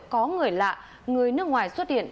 có người lạ người nước ngoài xuất hiện